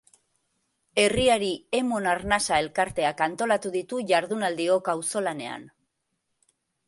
Herriari Emon Arnasa elkarteak antolatu ditu jardunaldiok auzolanean.